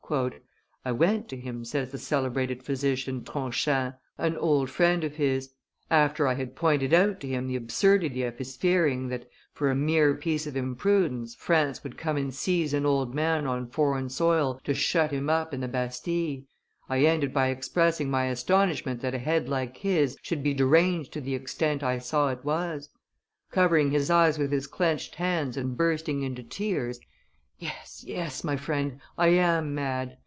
"I went to him," says the celebrated physician, Tronchin, an old friend of his; "after I had pointed out to him the absurdity of his fearing that, for a mere piece of imprudence, France would come and seize an old man on foreign soil to shut him up in the Bastille, I ended by expressing my astonishment that a head like his should be deranged to the extent I saw it was. Covering his eyes with his clinched hands and bursting into tears, 'Yes, yes, my friend, I am mad!